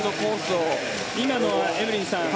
今のはエブリンさん